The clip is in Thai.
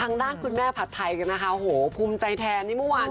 ทางด้านคุณแม่ผัดไทยนะคะโหภูมิใจแทน